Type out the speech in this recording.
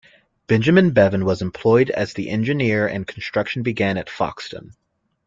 Benjamin Bevan was employed as the engineer and construction began at Foxton.